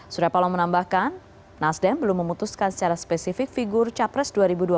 surya paloh menambahkan nasdem belum memutuskan secara spesifik figur capres dua ribu dua puluh